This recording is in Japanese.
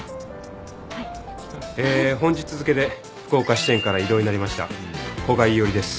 え本日付で福岡支店から異動になりました古賀一織です。